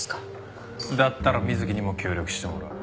だったら水木にも協力してもらう。